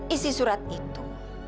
isi surat itu